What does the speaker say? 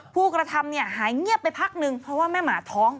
ผู้กระทำเนี่ยหายเงียบไปพักนึงเพราะว่าแม่หมาท้อง